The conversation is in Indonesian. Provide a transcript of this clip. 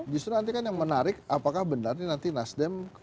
justru nanti kan yang menarik apakah benar nih nanti nasdem